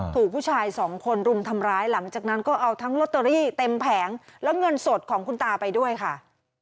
ถูกผู้ชายสองคนรุมทำร้ายหลังจากนั้นก็เอาทั้งลอตเตอรี่เต็มแผงแล้วเงินสดของคุณตาไปด้วยค่ะ